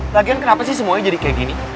lagian kenapa sih semuanya jadi kayak gini